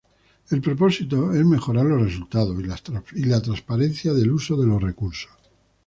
El propósito es mejorar los resultados y la transparencia del uso de los recursos.